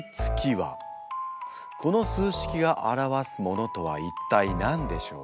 この数式が表すものとは一体何でしょう？